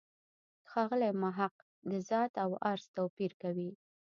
ښاغلی محق د «ذات» او «عرض» توپیر کوي.